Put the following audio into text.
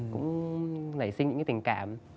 cũng nảy sinh những cái tình cảm